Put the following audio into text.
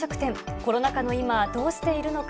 コロナ禍の今、どうしているのか。